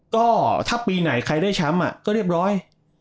ก็ถ้าปีไหนใครได้แชมป์ก็เรียบร้อย